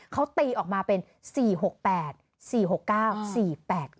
เขาตีออกมาเป็น๔๖๘๔๖๙๔๘๙